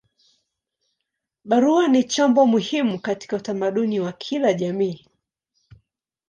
Barua ni chombo muhimu katika utamaduni wa kila jamii.